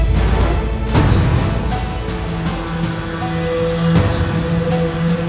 tidak aku mau pergi